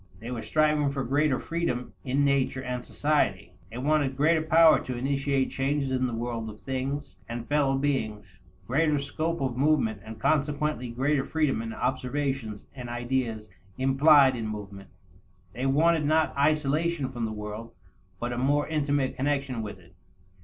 They were striving for greater freedom in nature and society. They wanted greater power to initiate changes in the world of things and fellow beings; greater scope of movement and consequently greater freedom in observations and ideas implied in movement. They wanted not isolation from the world, but a more intimate connection with it.